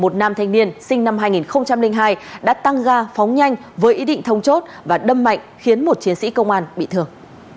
một nam thanh niên sinh năm hai nghìn hai đã tăng ga phóng nhanh với ý định thông chốt và đâm mạnh khiến một chiến sĩ công an bị thương